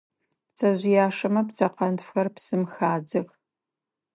Пцэжъыяшэмэ пцэкъэнтфхэр псым хадзэх.